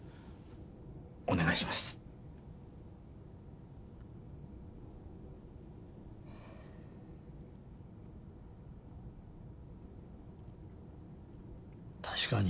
お願いしますはあ確かに